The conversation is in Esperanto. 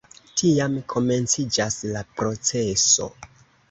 Tiam komenciĝas la proceso.